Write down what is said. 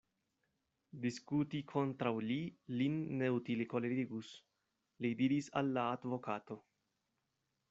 Diskuti kontraŭ li lin neutile kolerigus, li diris al la advokato.